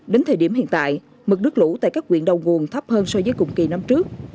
đến thời điểm hiện tại mực nước lũ tại các nguyện đầu nguồn thấp hơn so với cùng kỳ năm trước